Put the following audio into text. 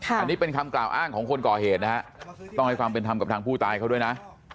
อันนี้เป็นคำกล่าวอ้างของคนก่อเหตุนะฮะต้องให้ความเป็นธรรมกับทางผู้ตายเขาด้วยนะ